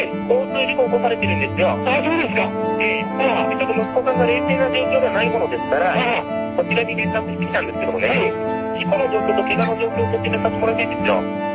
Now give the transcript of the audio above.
ちょっと息子さんが冷静な状況じゃないものですからこちらに連絡してきたんですけどもね事故の状況とケガの状況説明させてもらいたいんですよ」。